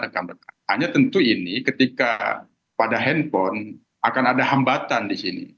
hanya tentu ini ketika pada handphone akan ada hambatan di sini